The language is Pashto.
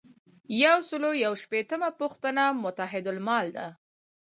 یو سل او یو شپیتمه پوښتنه متحدالمال ده.